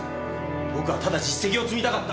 僕はただ実績を積みたかった。